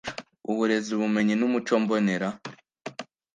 uburezi ubumenyi n umuco mbonera